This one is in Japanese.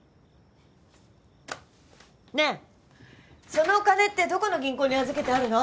ねえそのお金ってどこの銀行に預けてあるの？